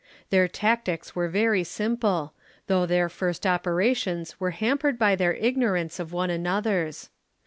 Their tactics were very simple, though their first operations were hampered by their ignorance of one another's.